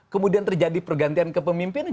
kemudian terjadi pergantian kepemimpinan